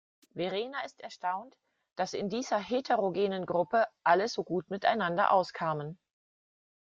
Verena ist erstaunt, dass in dieser heterogenen Gruppe alle so gut miteinander auskamen.